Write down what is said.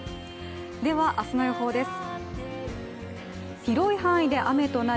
では、明日の予報です。